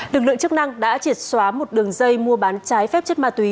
lực lượng chức năng đã triệt xóa một đường dây mua bán trái phép chất ma túy